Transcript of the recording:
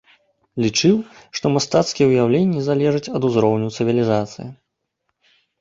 Лічыў, што мастацкія ўяўленні залежаць ад узроўню цывілізацыі.